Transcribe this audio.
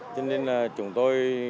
cho nên là chúng tôi